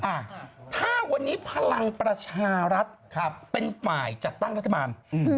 อ่ะถ้าวันนี้พลังประชารัฐครับเป็นฝ่ายจัดตั้งรัฐบาลอืม